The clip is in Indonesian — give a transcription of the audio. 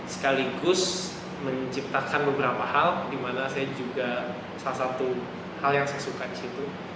sekaligus menciptakan beberapa hal di mana saya juga salah satu hal yang saya suka di situ